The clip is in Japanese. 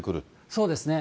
そうですね。